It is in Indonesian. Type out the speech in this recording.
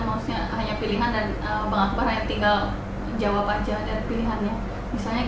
maksudnya hanya pilihan dan bang akbar hanya tinggal jawab aja dan pilihannya